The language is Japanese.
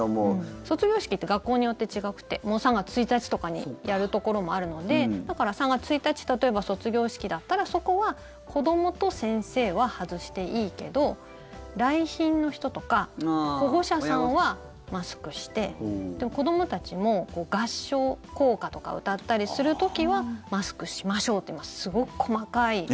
卒業式って学校によって違くてもう３月１日とかにやるところもあるのでだから３月１日例えば卒業式だったらそこは子どもと先生は外していいけど来賓の人とか保護者さんはマスクしてでも子どもたちも、合唱校歌とかを歌ったりする時はマスクしましょうというすごく細かい。